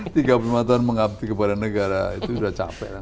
tiga puluh lima tahun mengabdi kepada negara itu sudah capek kan